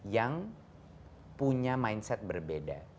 yang punya mindset berbeda